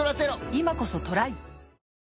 今こそトライ！